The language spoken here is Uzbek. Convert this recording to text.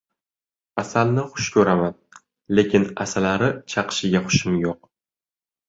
• Asalni xush ko‘raman, lekin asalari chaqishiga xushim yo‘q.